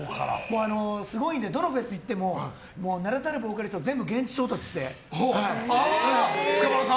すごいんでどのフェス行っても名だたるアーティストを全部現地調達して。